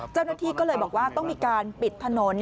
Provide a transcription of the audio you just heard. เจ้าหน้าที่ก็เลยบอกว่าต้องมีการปิดถนน